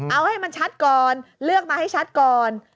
เอาให้มันชัดก่อนเลือกมาให้ชัดก่อน